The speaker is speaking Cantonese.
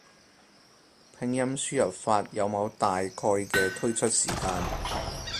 拼音輸入法有冇大概嘅推出時間？